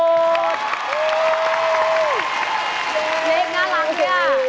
ดีดีดีดีเย่นเก้าหลังเจอ